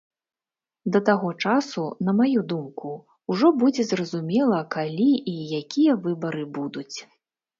Да таго часу, на маю думку, ужо будзе зразумела, калі і якія выбары будуць.